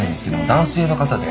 男性の方で。